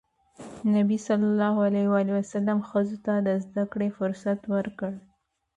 نبي ﷺ ښځو ته د زدهکړې فرصت ورکړ.